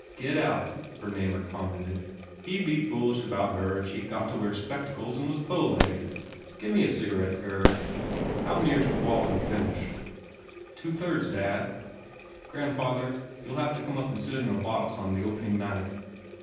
"Get out," Bernamer commented, "He d be foolish about her if she d got to wear spectacles and was bowlegged. Gimme a cigarette, Gurd. How near s the Walling finished?" "Two thirds, dad. Grandfather, you ll have to come up and sit in a box the opening night."